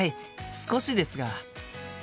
少しですが。